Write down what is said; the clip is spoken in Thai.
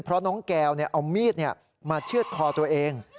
เพราะน้องแก้วเอามีดมาเชื่อดคอตัวเอง